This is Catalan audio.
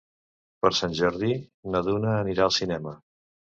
Per Sant Jordi na Duna anirà al cinema.